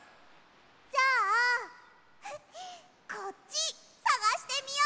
じゃあこっちさがしてみよう！